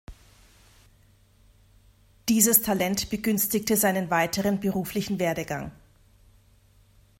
Dieses Talent begünstigte seinen weiteren beruflichen Werdegang.